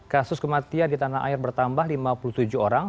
kasus kematian di tanah air bertambah lima puluh tujuh orang